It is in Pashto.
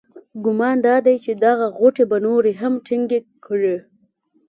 ګمان دادی چې دغه غوټې به نورې هم ټینګې کړي.